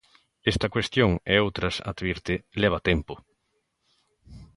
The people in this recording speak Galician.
Esta cuestión, e outras, advirte, "leva tempo".